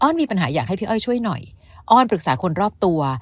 มีปัญหาอยากให้พี่อ้อยช่วยหน่อยอ้อนปรึกษาคนรอบตัว